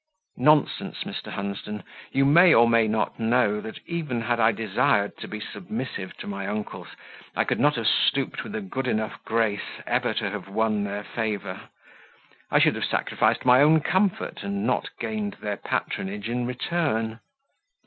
"Nonsense, Mr. Hunsden. You know or may know that even had I desired to be submissive to my uncles, I could not have stooped with a good enough grace ever to have won their favour. I should have sacrificed my own comfort and not have gained their patronage in return."